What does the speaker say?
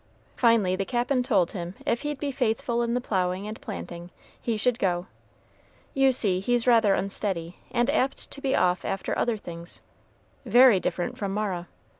Finally the Cap'n told him if he'd be faithful in the ploughing and planting, he should go. You see, he's rather unsteady, and apt to be off after other things, very different from Mara.